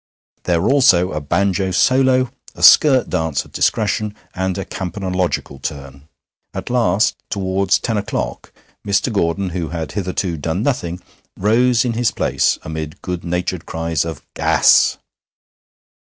There were also a banjo solo, a skirt dance of discretion, and a campanological turn. At last, towards ten o'clock, Mr. Gordon, who had hitherto done nothing, rose in his place, amid good natured cries of 'Gas!'